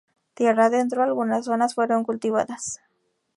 Tierra adentro, algunas zonas fueron cultivadas.